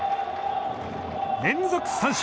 連続三振。